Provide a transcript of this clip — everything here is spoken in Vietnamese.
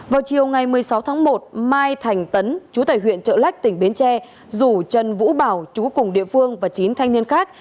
vào chiều ngày một mươi sáu tháng một mai thành tấn chú tại huyện trợ lách tỉnh bến tre rủ trần vũ bảo chú cùng địa phương và chín thanh niên khác